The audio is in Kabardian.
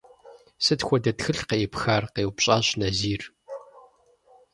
– Сыт хуэдэ тхылъ къеӀыпхар? – къеупщӀащ Назир.